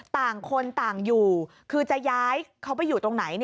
ต่างคนต่างอยู่